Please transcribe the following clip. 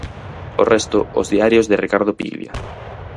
O resto, os diarios de Ricardo Piglia.